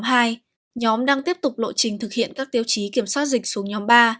từ nhóm hai nhóm đang tiếp tục lộ trình thực hiện các tiêu chí kiểm soát dịch xuống nhóm ba